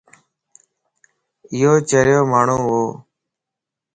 ايو چريو ماڻھون وَ